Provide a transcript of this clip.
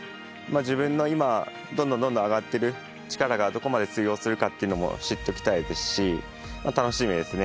自分の今、どんどんどんどん上がっている力がどこまで通用するかというのも知っておきたいですし楽しみですね。